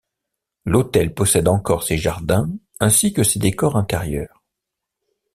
L'hôtel possède encore ses jardins ainsi que ses décors intérieurs.